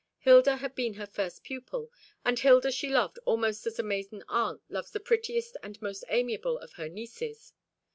Hilda had been her first pupil, and Hilda she loved almost as a maiden aunt loves the prettiest and most amiable of her nieces.